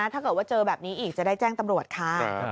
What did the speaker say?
ถ้าเกิดว่าเจอแบบนี้อีกจะได้แจ้งตำรวจค่ะ